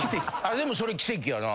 でもそれ奇跡やな。